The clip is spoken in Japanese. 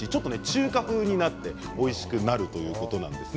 中華風になっておいしくなるということです。